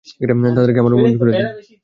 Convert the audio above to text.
তাদেরকে আমার উম্মত করে দিন!